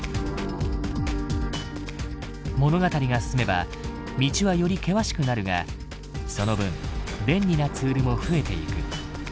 物語が進めば道はより険しくなるがその分便利なツールも増えていく。